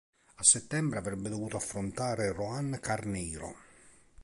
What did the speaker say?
A settembre avrebbe dovuto affrontare Roan Carneiro.